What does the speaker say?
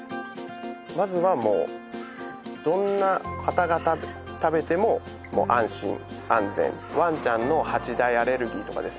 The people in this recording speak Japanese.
まずはもうどんな方が食べてももう安心安全ワンちゃんの８大アレルギーとかですね